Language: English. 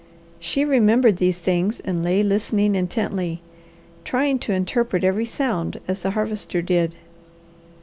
She remembered these things, and lay listening intently, trying to interpret every sound as the Harvester did.